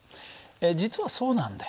実はそうなんだよ。